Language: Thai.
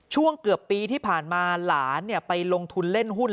ช่วงเกือบปีที่ผ่านมาหลานไปลงทุนเล่นหุ้น